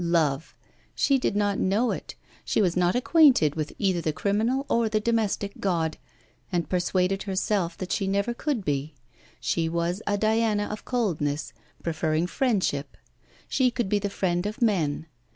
Love! she did not know it, she was not acquainted with either the criminal or the domestic God, and persuaded herself that she never could be. She was a Diana of coldness, preferring friendship; she could be the friend of men.